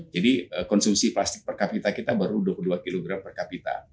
jadi konsumsi plastik per kapita kita baru dua puluh dua kg per kapita